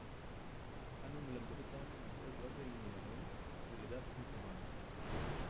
אָנוּ מְלַמְּדוֹת אוֹתָן לִדְאוֹג רַק לְעִנְיְינֵיהֶן וְלָדַעַת אֶת מְקוֹמָן.